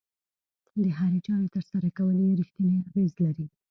د هرې چارې ترسره کول يې رېښتینی اغېز لري.